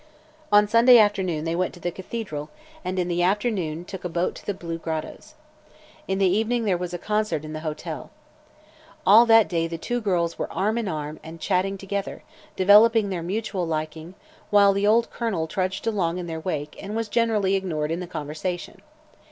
On Sunday forenoon they went to the cathedral and in the afternoon took a boat to the blue grottoes. In the evening there was a concert in the hotel. All that day the two girls were arm in arm and chatting together, developing their mutual liking, while the old Colonel trudged along in their wake and was generally ignored in the conversation.